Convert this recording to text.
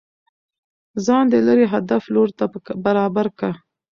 ځان د ليري هدف لور ته برابر كه